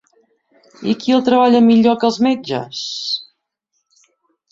I qui el treballa millor que els metges?».